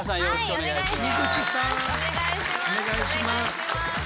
お願いします。